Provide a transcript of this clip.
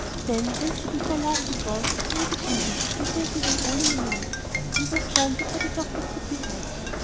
"Then, Wednesday before last, it was, he had a bleeding, and sank away like all in a minute, and was gone before the doctor could be had.